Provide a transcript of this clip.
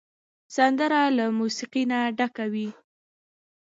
سندره له موسیقۍ نه ډکه وي